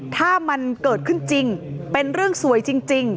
ถ้ามันเกิดขึ้นจริงเป็นเรื่องสวยจริง